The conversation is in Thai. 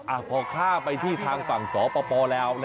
อ่ะก็สาไปที่ทางฝั่งศปบแล้วนะ